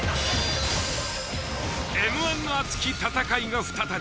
Ｍ−１の熱き戦いが再び。